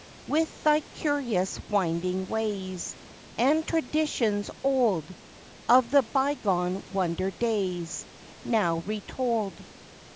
With thy curious winding ways And traditions old Of the bygone wonder days, Now retold.